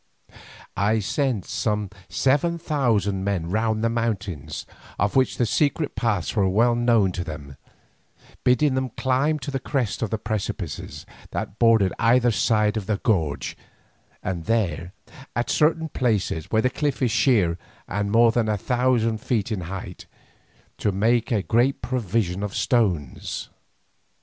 I sent some seven thousand men round the mountains, of which the secret paths were well known to them, bidding them climb to the crest of the precipices that bordered either side of the gorge, and there, at certain places where the cliff is sheer and more than one thousand feet in height, to make a great provision of stones.